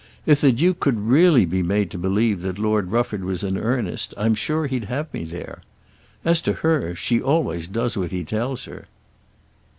If the Duke could really be made to believe that Lord Rufford was in earnest I'm sure he'd have me there. As to her, she always does what he tells her."